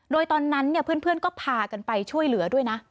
โดยตอนนั้นเพื่อนก็พากันไปช่วยเหลือด้วยนะ